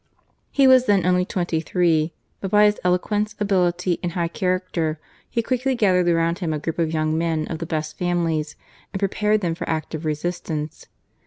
He was then only twenty three, but by his eloquence, ability, and high character, he quickly gathered round him a group of young men of the best families and prepared them for active resistance.